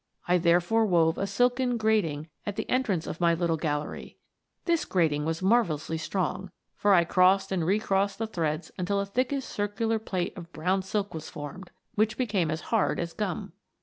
I therefore wove a silken grating at the entrance of my little gallery. This grating was marvellously strong, for I crossed and recrossed the threads until a thickish circular plate of brown silk was formed, which became as hard as gum.